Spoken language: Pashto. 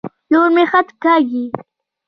لور مي خط کاږي.